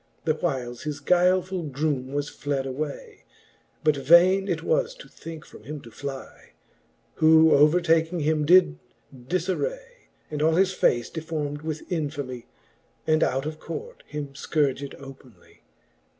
The whiles his guilefuU groome was fled away : But vaine it was to thinke from him to flie ; Who overtaking him did difaray. And all his face deform'd with infamie, And out of court him Icourged openly.